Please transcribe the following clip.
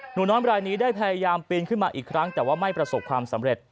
หนูน้อยรายนี้ได้พยายามปีนขึ้นมาอีกครั้งแต่ว่าไม่ประสบความสำเร็จ